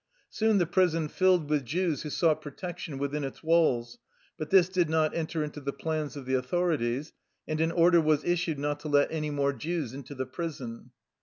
Soon the prison filled with Jews who sought protection within its walls, but this did not enter into the plans of the authorities, and an order was issued not to let any more Jews into the prison.